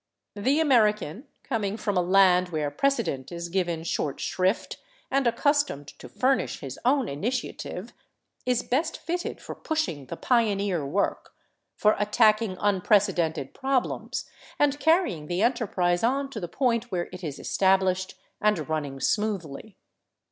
The American, coming from a land where precedent is given short shrift, and accustomed to furnish his own initiative, is best fitted for pushing the pioneer work, for attacking unprecedented problems and carrying the enterprise on to the point where it is established and running smoothly.